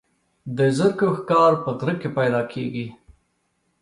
د زرکو ښکار په غره کې پیدا کیږي.